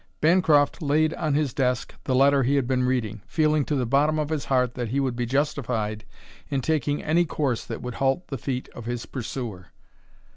Bancroft laid on his desk the letter he had been reading, feeling to the bottom of his heart that he would be justified in taking any course that would halt the feet of his pursuer.